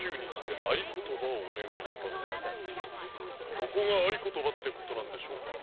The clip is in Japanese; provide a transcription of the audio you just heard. ここがあいことばってことなんでしょうか？